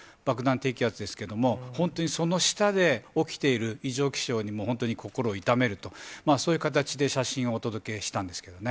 低気圧でしたけれども、本当にその下で起きている異常気象に、本当に心を痛めると、そういう形で写真をお届けしたんですけどね。